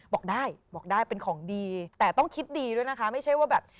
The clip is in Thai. บอกได้บอกได้เป็นของดีแต่ต้องคิดดีด้วยนะคะไม่ใช่ว่าแบบ